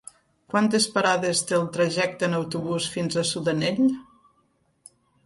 Quantes parades té el trajecte en autobús fins a Sudanell?